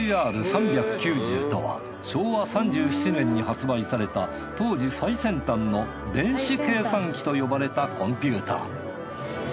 ＮＣＲ３９０とは昭和３７年に発売された当時最先端の電子計算機と呼ばれたコンピューター。